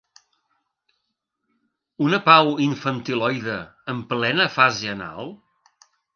Una pau infantiloide en plena fase anal?